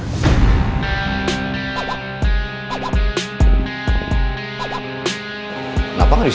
kenapa gak disini